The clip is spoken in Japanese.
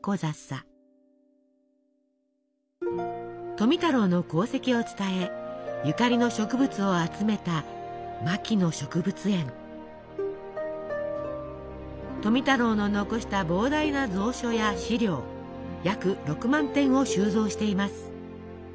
富太郎の功績を伝えゆかりの植物を集めた富太郎の残した膨大な蔵書や資料約６万点を収蔵しています。